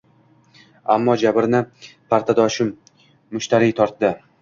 Ammo jabrini partadoshim Mushtariy tortdi.